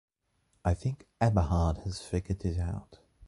I think Eberhard has figured it out.